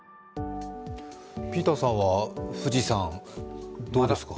ピーターさんは富士山どうですか？